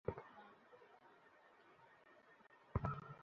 পৌরসভা নির্বাচনেও আচরণবিধি লঙ্ঘন করায় শওকত হাচানুরকে কমিশন দুই দফায় সতর্ক করেছিল।